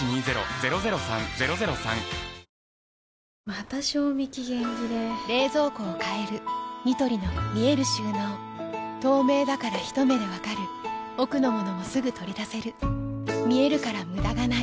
また賞味期限切れ冷蔵庫を変えるニトリの見える収納透明だからひと目で分かる奥の物もすぐ取り出せる見えるから無駄がないよし。